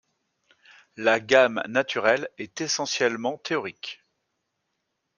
La gamme naturelle est essentiellement théorique.